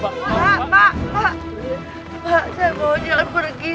pak saya mau jalan pergi